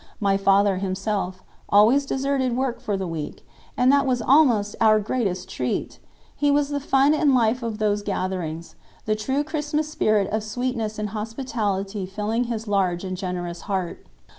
My father himself, always deserted work for the week, and that was almost our greatest treat. He was the fun and life of those gatherings, the true Christmas spirit of sweetness and hospitality filling his large and generous heart.